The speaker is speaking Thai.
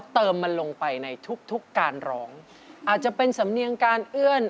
เติมมันลงไปในทุกทุกการร้องอาจจะเป็นสำเนียงการเอื้อน